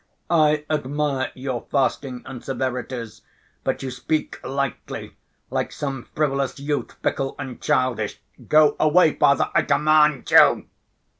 "I admire your fasting and severities, but you speak lightly like some frivolous youth, fickle and childish. Go away, Father, I command you!"